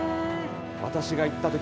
私が行ったとき